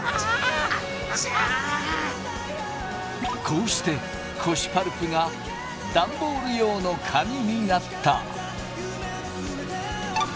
こうして古紙パルプがダンボール用の紙になった。